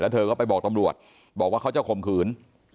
แล้วเธอก็ไปบอกตลวดบอกว่าเขาจะข่มขืน